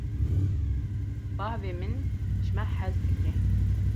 Bavê min ji me hez dike.